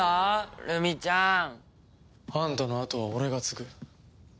ルミちゃん。あんたの後は俺が継ぐ。